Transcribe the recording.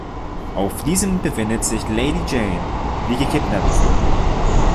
Auf diesem befindet sich Lady Jane, die gekidnappt wird.